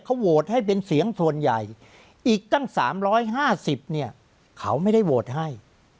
เขาโหวตให้เป็นเสียงส่วนใหญ่อีกตั้ง๓๕๐เนี่ยเขาไม่ได้โหวตให้